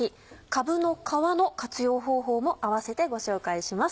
かぶの皮の活用方法も併せてご紹介します。